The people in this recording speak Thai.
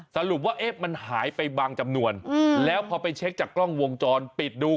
สรุปว่าเอ๊ะมันหายไปบางจำนวนแล้วพอไปเช็คจากกล้องวงจรปิดดู